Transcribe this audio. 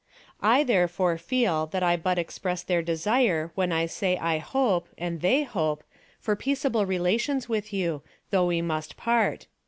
I, therefore, feel that I but express their desire when I say I hope, and they hope, for peaceable relations with you, though we must part.